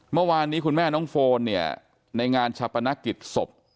เมื่อวานนี้คุณแม่น้องโฟนเนี่ยในงานชาปนกิจศพ